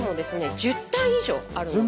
１０体以上あるので。